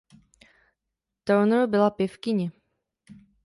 Turner byla pěvkyně.